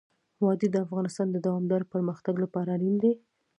وادي د افغانستان د دوامداره پرمختګ لپاره اړین دي.